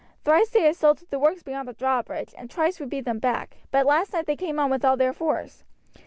Thrice they assaulted the works beyond the drawbridge and twice we beat them back; but last night they came on with all their force.